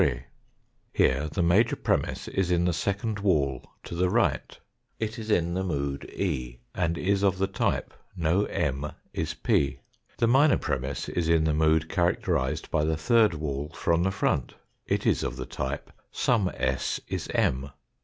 Here the major premiss is in the second wall to the right it is in the mood E and is of the type no M is P. The minor premiss is in the mood characterised by the third wall from the front. It is of the type some s is M.